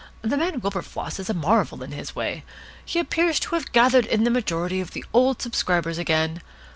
The man Wilberfloss is a marvel in his way. He appears to have gathered in the majority of the old subscribers again.